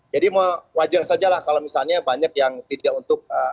jadi wajar sajalah kalau misalnya banyak yang tidak untuk